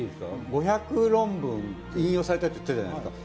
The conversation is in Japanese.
５００論文引用されたって言ったじゃないですか。